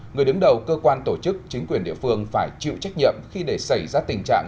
người đứng đầu cơ quan tổ chức chính quyền địa phương phải chịu trách nhiệm khi để xảy ra tình trạng